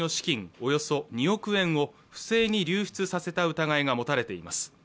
およそ２億円を不正に流出させた疑いが持たれています